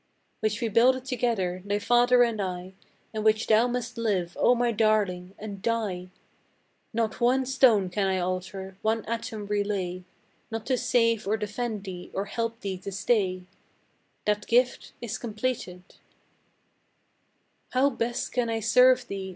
Which we builded together, thy father and I; In which thou must live, O my darling, and die! Not one stone can I alter, one atom relay Not to save or defend thee or help thee to stay That gift is completed! How best can I serve thee?